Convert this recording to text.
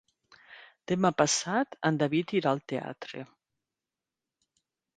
Demà passat en David irà al teatre.